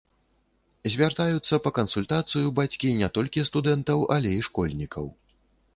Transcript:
Звяртаюцца па кансультацыю бацькі не толькі студэнтаў, але і школьнікаў.